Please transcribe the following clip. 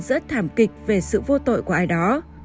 rất thảm kịch về sự vô tội của ai đó